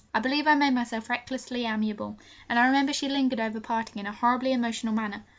I believe I made myself recklessly amiable, and I remember she lingered over parting in a horribly emotional manner.